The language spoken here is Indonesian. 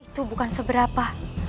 itu bukan seberapa